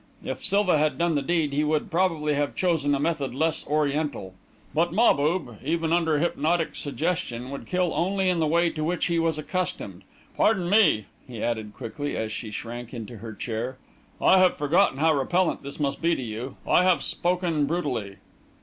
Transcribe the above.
If Silva had done the deed, he would probably have chosen a method less Oriental; but Mahbub, even under hypnotic suggestion, would kill only in the way to which he was accustomed with a noose. Pardon me," he added, quickly, as she shrank into her chair, "I have forgotten how repellent this must be to you. I have spoken brutally."